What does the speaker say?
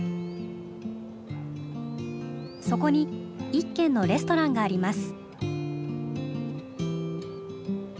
そこに一軒のレストランがあります。